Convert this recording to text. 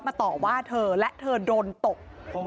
ต่อว่าเธอและเธอโดนตบ